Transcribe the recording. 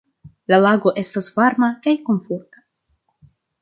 "La lago estas varma kaj komforta."